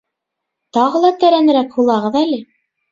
Тағы ла тәрәнерәк һулағыҙ әле